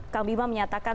kang bima menyatakan